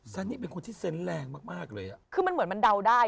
ซันนี่เป็นคนที่เซนต์แรงมากมากเลยอ่ะคือมันเหมือนมันเดาได้